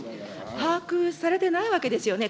把握されてないわけですよね。